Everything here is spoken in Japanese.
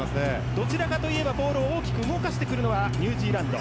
どちらかといえばボールを大きく動かしてくるのはニュージーランド。